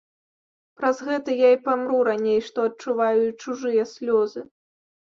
Праз гэта я і памру раней, што адчуваю і чужыя слёзы.